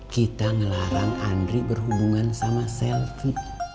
kita ngelarang andri berhubungan sama selfie